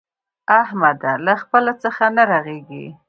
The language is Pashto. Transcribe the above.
احمده! له خپله څخه نه رغېږي.